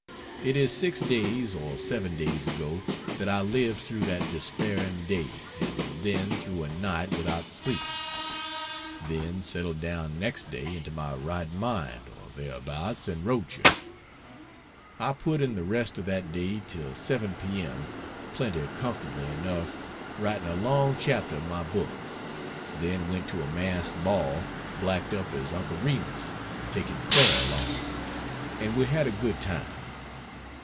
It is six days or seven days ago that I lived through that despairing day, and then through a night without sleep; then settled down next day into my right mind (or thereabouts,) and wrote you. I put in the rest of that day till 7 P. M. plenty comfortably enough writing a long chapter of my book; then went to a masked ball blacked up as Uncle Remus, taking Clara along; and we had a good time.